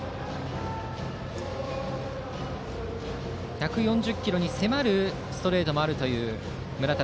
１４０キロに迫るストレートもあるという村田。